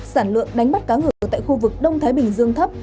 sản lượng đánh bắt cá ngừ tại khu vực đông thái bình dương thấp